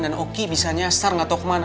dan oki bisa nyasar gak tau kemana